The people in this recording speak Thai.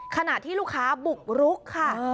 ขณะที่ลูกค้าบุกรุกค่ะ